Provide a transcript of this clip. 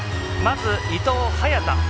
まず、伊藤、早田。